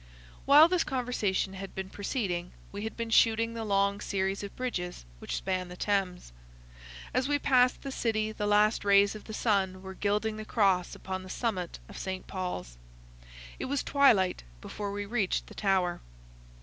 While this conversation had been proceeding, we had been shooting the long series of bridges which span the Thames. As we passed the City the last rays of the sun were gilding the cross upon the summit of St. Paul's. It was twilight before we reached the Tower.